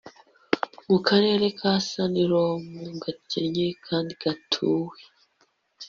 mu karere ka San Ramon gakennye kandi gatuwe